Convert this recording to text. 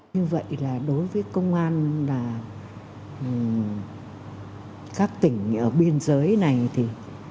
như vậy là đối với công an là các tỉnh ở biên giới này thì